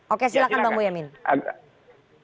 oke silahkan mbak boyani